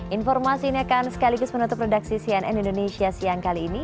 informasi ini akan sekaligus menutup redaksi cnn indonesia siang kali ini